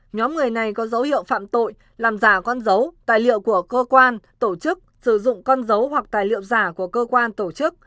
nhóm người này có dấu hiệu phạm tội làm giả con dấu tài liệu của cơ quan tổ chức sử dụng con dấu hoặc tài liệu giả của cơ quan tổ chức